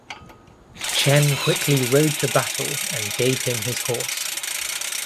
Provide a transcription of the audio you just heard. Chen quickly rode to battle and gave him his horse.